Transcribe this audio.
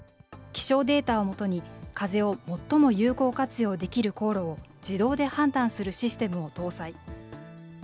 気象データを基に、風を最も有効活用できる航路を自動で判断するシステムを搭載。